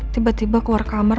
tiba tiba keluar kamar